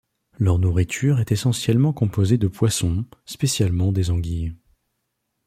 Leur nourriture est essentiellement composée de poissons, spécialement des anguilles.